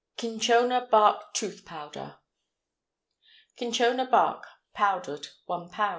CINCHONA BARK TOOTH POWDER. Cinchona bark, powdered 1 lb.